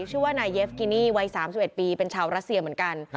ชื่อว่านายเยฟกินี่วัย๓๑ปีเป็นชาวรัสเซียเหมือนกัน